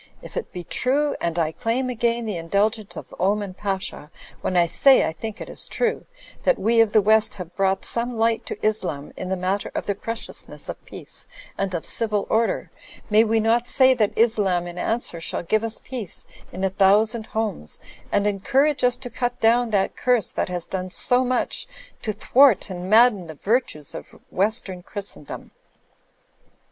If it be true, and I claim Digitized by VjOOQI^ THE END OF OLIVE ISLAND 29 again the indulgence of Oman Pasha when I say I think it is true, that we of the West have brought some light to Islam in the matter of the preciousness of peace and of civil order, may we not say that Islam in answer shall give us peace in a thousand homes, and encourage us to cut down that curse that has done so much to thwart and madden the virtues of Western Christendom.